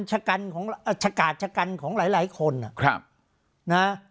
ชะกัดชะกัดของหลายคน